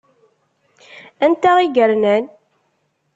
Anta i yernan?